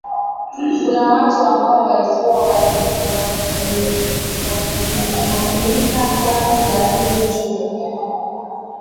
kuna watu ambao walikuwa wakimika ndani ya hiyo njia